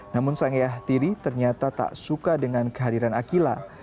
namun sang ayah tiri ternyata tak suka dengan kehadiran akila